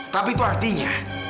tapi itu artinya